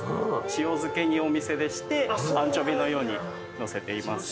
塩漬けにお店でしてアンチョビーのようにのせています。